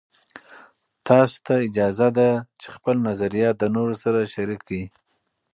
تاسې ته اجازه ده چې خپل نظریات د نورو سره شریک کړئ.